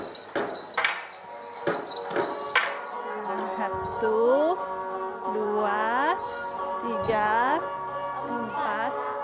satu dua tiga empat